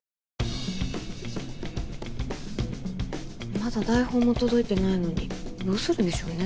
まだ台本も届いてないのにどうするんでしょうね？